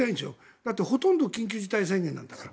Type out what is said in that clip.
だって、ほとんど緊急事態宣言なんだから。